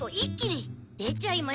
出ちゃいましょう。